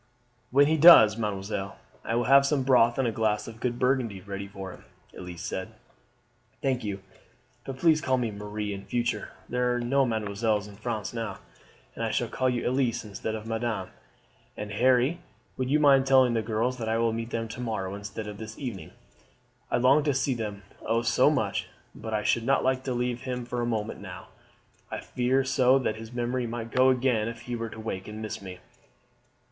"When he does, mademoiselle, I will have some broth and a glass of good burgundy ready for him," Elise said. "Thank you; but please call me Marie in future. There are no mesdemoiselles in France now, and I shall call you Elise instead of Madame. And Harry, would you mind telling the girls that I will meet them to morrow instead of this evening. I long to see them, oh so, so much; but I should not like to leave him for a moment now. I fear so that his memory might go again if he were to wake and miss me."